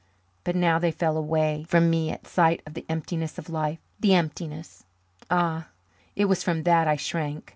But now they fell away from me at sight of the emptiness of life. The emptiness! Ah, it was from that I shrank.